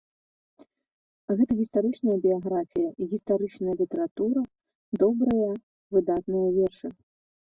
Гэта гістарычная біяграфія, гістарычная літаратура, добрыя выдатныя вершы.